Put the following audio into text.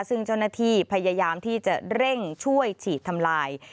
ซึ่งเจ้าหน้าที่พยายามที่จะเร่งช่วยฉีดทำลาย